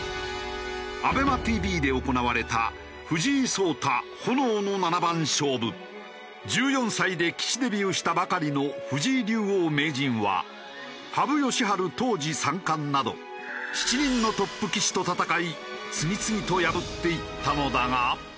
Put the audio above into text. ＡＢＥＭＡＴＶで行われた１４歳で棋士デビューしたばかりの藤井竜王・名人は羽生善治当時三冠など７人のトップ棋士と戦い次々と破っていったのだが。